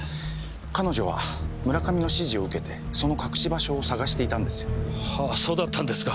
彼女は村上の指示を受けてその隠し場所を捜していたんですよ。はあそうだったんですか。